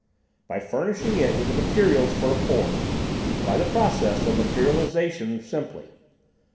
"By furnishing it with the materials for a form. By the process of materialisation simply.